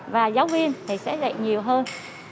và giáo viên thì sẽ dạy nhiều hơn